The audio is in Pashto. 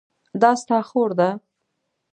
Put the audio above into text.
دا ستا خور ده؟